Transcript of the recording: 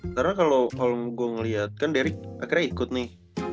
karena kalau gue ngeliat kan derick akhirnya ikut nih